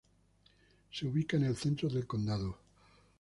Se ubica en el centro del condado.